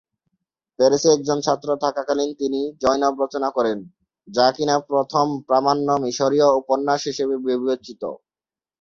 প্যারিসে একজন ছাত্র থাকাকালীন তিনি"যয়নব" রচনা করেন যা কিনা প্রথম প্রামাণ্য মিশরীয় উপন্যাস হিসাবে বিবেচিত।